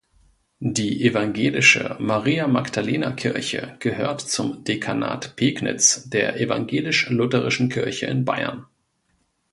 Die evangelische Maria-Magdalena-Kirche gehört zum Dekanat Pegnitz der Evangelisch-Lutherischen Kirche in Bayern.